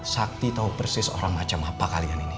sakti tahu persis orang macam apa kalian ini